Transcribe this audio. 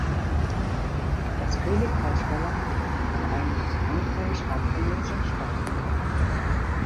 Das Königreich Holland war ein von Frankreich abhängiger Staat.